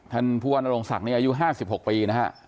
ท่านผู้ว่านโรงศักดิ์อายุ๕๖ปีนะฮะ